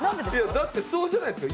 だってそうじゃないですか？